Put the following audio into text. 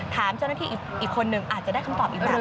ถามเจ้าหน้าที่อีกคนนึงอาจจะได้คำตอบอีกแบบ